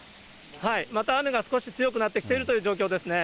また雨が少し強くなってきているという状況ですね。